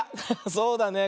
そうだね。